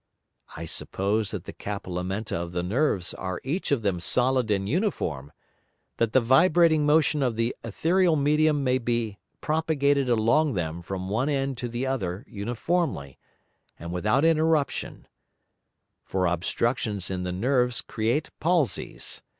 I suppose that the Capillamenta of the Nerves are each of them solid and uniform, that the vibrating Motion of the Æthereal Medium may be propagated along them from one end to the other uniformly, and without interruption: For Obstructions in the Nerves create Palsies.